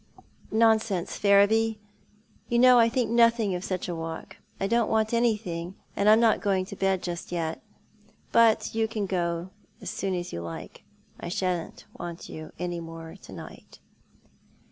" Nonsense, Ferriby, you know I think nothing of such a walk. I don't want anything, and I'm not going to bed just yet. But you cau go as soon as you like. I shan't want you any more to night."